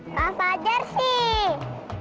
tak pajar sih